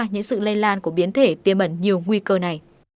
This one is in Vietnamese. những sự lây lan của biến thể tiêm ẩn nhiều nguy cơ này